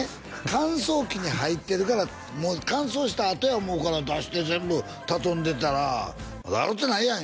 乾燥機に入ってるからもう乾燥したあとや思うから出して全部畳んでたら「まだ洗うてないやん！」